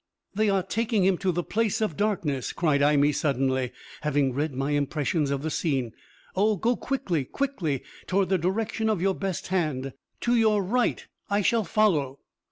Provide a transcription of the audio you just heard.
"They are taking him to the Place of Darkness!" cried Imee suddenly, having read my impressions of the scene. "Oh, go quickly, quickly, toward the direction of your best hand to your right! I shall follow!"